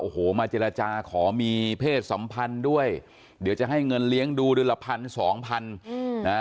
โอ้โหมาเจรจาขอมีเพศสัมพันธ์ด้วยเดี๋ยวจะให้เงินเลี้ยงดูเดือนละพันสองพันนะ